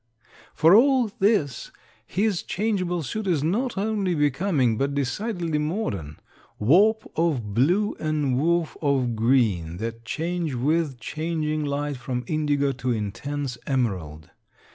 For all this his changeable suit is not only becoming, but decidedly modern warp of blue and woof of green that change with changing light from indigo to intense emerald.